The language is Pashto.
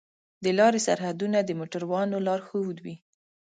د لارې سرحدونه د موټروانو لارښود وي.